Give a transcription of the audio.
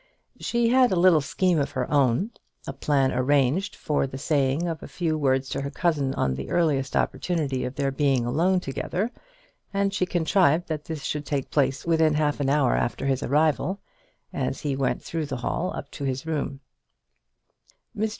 She had a little scheme of her own, a plan arranged for the saying of a few words to her cousin on the earliest opportunity of their being alone together, and she contrived that this should take place within half an hour after his arrival, as he went through the hall up to his room. "Mr.